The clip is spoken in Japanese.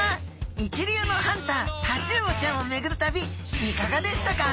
一流のハンタータチウオちゃんをめぐる旅いかがでしたか？